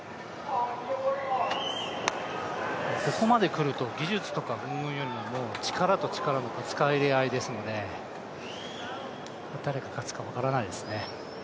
ここまでくると、技術とかうんぬんよりも力と力のぶつかり合いですので誰が勝つか、分からないですね。